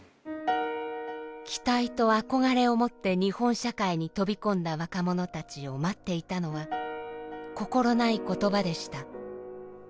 期待と憧れを持って日本社会に飛び込んだ若者たちを待っていたのは心ない言葉でした。